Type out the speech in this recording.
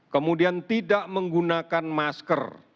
kemudian tidak menggunakan masker